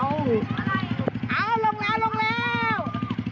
อ้าวลงแล้ว